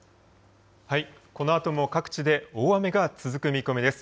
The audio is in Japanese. このあとも各地で大雨が続く見込みです。